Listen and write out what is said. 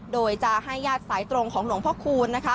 โดยจะให้ญาติสายตรงของหลวงพ่อคูณนะคะ